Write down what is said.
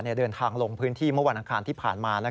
เดินทางลงพื้นที่เมื่อวันอังคารที่ผ่านมา